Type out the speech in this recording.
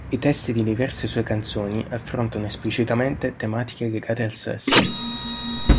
I testi di diverse sue canzoni affrontano esplicitamente tematiche legate al sesso.